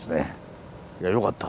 いやよかった